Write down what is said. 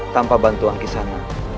tanpa bantuan kisana